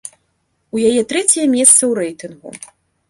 У яе трэцяе месца ў рэйтынгу.